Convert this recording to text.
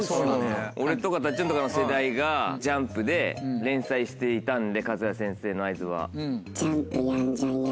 俺とかたっちょんとかの世代が『ジャンプ』で連載していたんで桂先生の『Ｉ”ｓ』は。